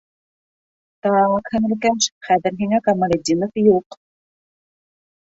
Та-ак, һеңлекәш, хәҙер һиңә Камалетдинов юҡ!